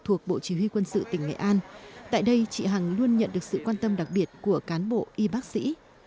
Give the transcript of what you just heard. thuộc bộ chỉ huy quân sự tỉnh nghệ an tại đây chị hằng luôn nhận được sự quan tâm đặc biệt của cán bộ y bác sĩ